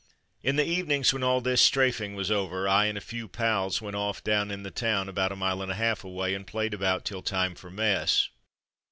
In the evenings, when all this strafing was over, I and a few pals went off down in the town about a mile and a half away and played about till time for mess.